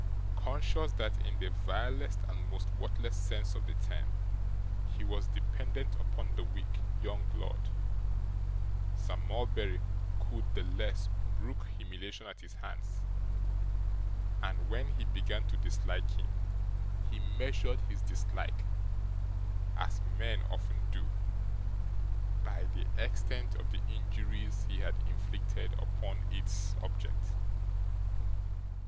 Conscious that, in the vilest and most worthless sense of the term, he was dependent upon the weak young lord, Sir Mulberry could the less brook humiliation at his hands; and when he began to dislike him he measured his dislike as men often do by the extent of the injuries he had inflicted upon its object.